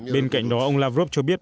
bên cạnh đó ông lavrov cho biết